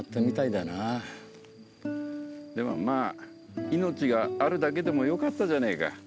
でもまあ命があるだけでもよかったじゃねえか。